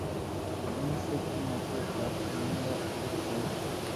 Imise kinatete ab meindo ochei